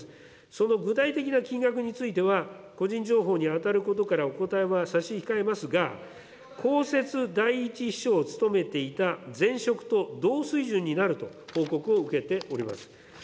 その具体的な金額については、個人情報に当たることからお答えは差し控えますが、公設第１秘書を務めていた前職と同水準になると報告を受けております。